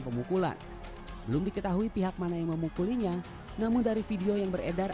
pemukulan belum diketahui pihak mana yang memukulinya namun dari video yang beredar